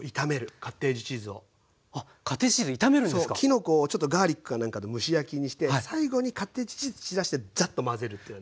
きのこをガーリックかなんかで蒸し焼きにして最後にカッテージチーズ散らしてザッと混ぜるっていうね。